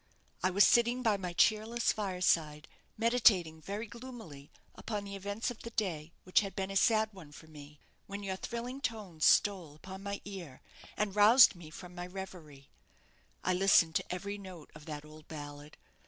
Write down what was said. I was sitting by my cheerless fire side, meditating very gloomily upon the events of the day, which had been a sad one for me, when your thrilling tones stole upon my ear, and roused me from my reverie. I listened to every note of that old ballad.